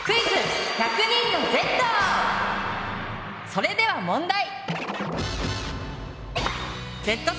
それでは問題！